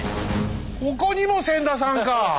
ここにも千田さんか！